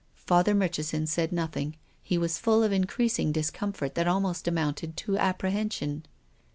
Father Murchison said nothing. He was full of increasing discomfort that almost amounted to apprehension.